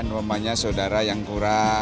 memangnya saudara yang kurang